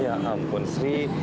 ya ampun sri